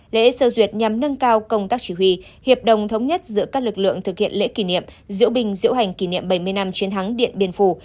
lễ sơ duyệt nhằm nâng cao công tác chỉ huy hiệp đồng thống nhất giữa các lực lượng thực hiện lễ kỷ niệm diễu bình diễu hành kỷ niệm bảy mươi năm chiến thắng điện biên phủ